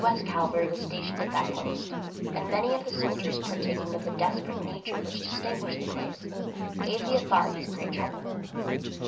S. Cavalry was stationed at that post, and many of the soldiers, partaking of the desperate nature which distinguished the place, gave the authorities great trouble.